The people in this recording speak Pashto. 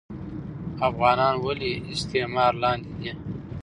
افغانان ولي د استعمار لاندي دي